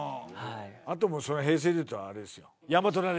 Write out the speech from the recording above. あともう平成でいうとあれですよ。